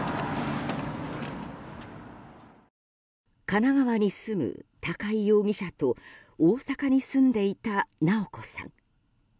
神奈川に住む高井容疑者と大阪に住んでいた直子さん。